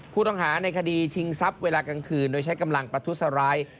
ผู้ต้องหาในคดีชิงทรัพย์เวลากลางคืนโดยใช้กำลังประทุษร้าย